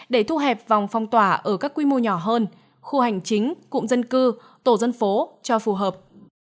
để thu hẹp vòng phong tỏa ở các quy mô nhỏ hơn khu hành chính cụm dân cư tổ dân phố cho phù hợp